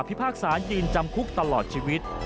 พากษายืนจำคุกตลอดชีวิต